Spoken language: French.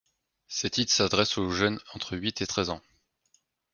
Ses titres s'adressent aux jeunes entre huit et treize ans.